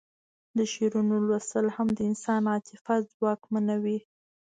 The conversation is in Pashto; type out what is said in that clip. د شعرونو لوستل هم د انسان عاطفه ځواکمنوي